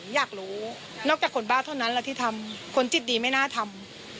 อยากรู้นอกจากคนบ้าเท่านั้นแหละที่ทำคนจิตดีไม่น่าทำ